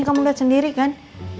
kamu lihat sendiri kan